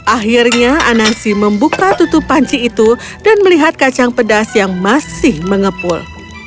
akhirnya anansi membuka tutup panci itu dan melihat kacang pedas yang masih mengepul